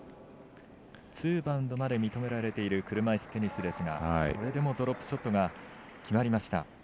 ツーバウンドまで認められている車いすテニスですがそれでもドロップショットが決まりました。